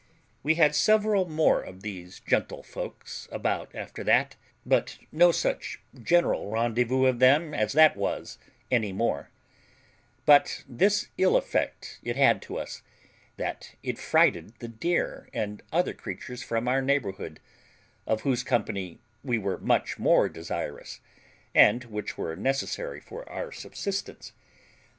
We had several more of these gentlefolks about after that, but no such general rendezvous of them as that was any more; but this ill effect it had to us, that it frighted the deer and other creatures from our neighbourhood, of whose company we were much more desirous, and which were necessary for our subsistence.